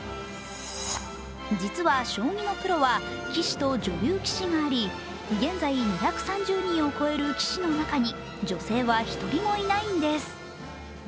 実は将棋のプロは棋士と女流棋士があり現在２３０人を超える棋士の中に女性は１人もいないんです。